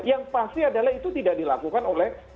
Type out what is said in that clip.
yang pasti adalah itu tidak dilakukan oleh